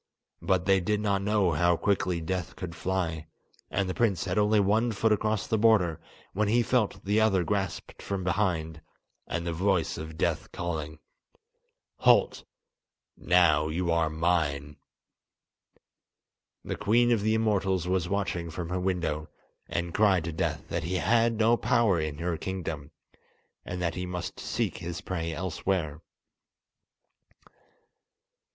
But they did not know how quickly Death could fly, and the prince had only one foot across the border, when he felt the other grasped from behind, and the voice of Death calling: "Halt! now you are mine." The Queen of the Immortals was watching from her window, and cried to Death that he had no power in her kingdom, and that he must seek his prey elsewhere.